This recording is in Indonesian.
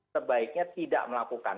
sebaiknya tidak melakukan